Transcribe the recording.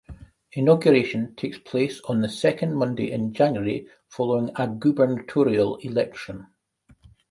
Inauguration takes place on the second Monday in January following a gubernatorial election.